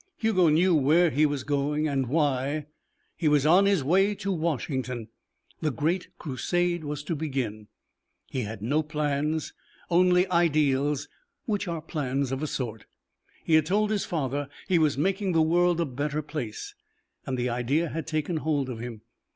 Hugo knew where he was going and why: he was on his way to Washington. The great crusade was to begin. He had no plans, only ideals, which are plans of a sort. He had told his father he was making the world a better place, and the idea had taken hold of him.